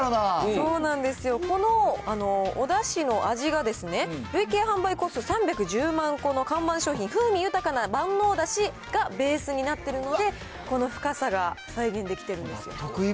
そうなんですよ、このおだしの味が、累計販売個数３１０万個の看板商品、風味豊かな万能だしがベースになっているので、この深さが再現できているんですよ。